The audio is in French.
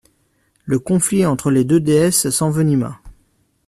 Le conflit entre les deux déesses s'envenima.